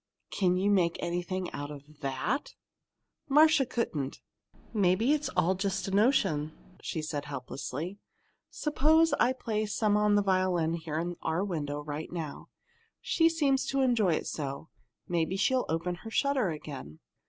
Can you make anything out of that?" Marcia couldn't. "Maybe it's all just a notion," she suggested helplessly. "Suppose I play some on the violin here in our window right now. She seems to enjoy it so. And maybe she'll open her shutter again."